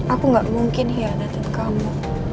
aku gak mungkin ya datang ke kamu